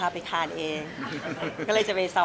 เก๋จะมีโอกาสได้ชุดคู่กับผู้ชายที่สุดของเก๋